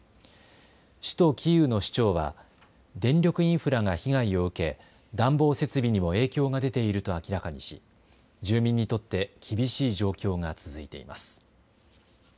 首都キーウの市長は、電力インフラが被害を受け、暖房設備にも影響が出ていると明らかにし、住民にとって厳しい状況が続いています。